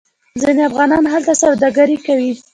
ځینې افغانان هلته سوداګري کوي.